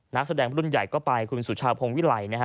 นักแสดงรุ่นใหญ่ก็ไปคุณสุชาพงวิไล่